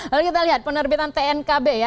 lalu kita lihat penerbitan tnkb ya